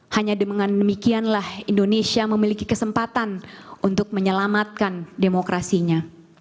hanya dengan demikianlah indonesia memiliki kesempatan untuk menyelamatkan demokrasinya